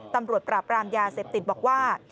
ตำรวจปราบรามยาเสพติดบอกว่า